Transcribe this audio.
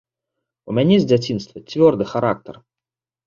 У мяне з дзяцінства цвёрды характар.